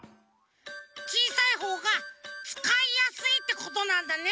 ちいさいほうがつかいやすいってことなんだね。